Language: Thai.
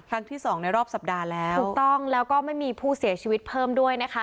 ที่สองในรอบสัปดาห์แล้วถูกต้องแล้วก็ไม่มีผู้เสียชีวิตเพิ่มด้วยนะคะ